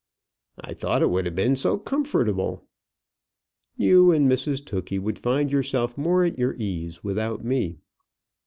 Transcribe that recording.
"I thought it would have been so comfortable." "You and Mrs Tookey would find yourself more at your ease without me."